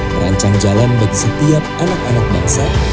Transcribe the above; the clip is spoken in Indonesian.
merancang jalan bagi setiap anak anak bangsa